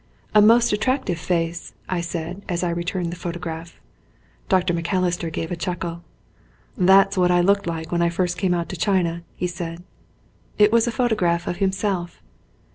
"A most attractive face," I said as I returned the photograph. Dr. Macalister gave a chuckle. "That's what I looked like when I first came out to China," he said. It was a photograph of himself.